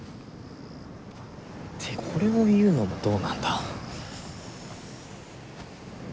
ってこれを言うのもどうなんだ？